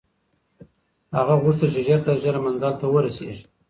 هغه غوښتل چې ژر تر ژره منزل ته ورسېږي.